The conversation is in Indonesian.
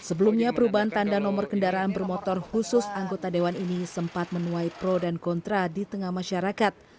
sebelumnya perubahan tanda nomor kendaraan bermotor khusus anggota dewan ini sempat menuai pro dan kontra di tengah masyarakat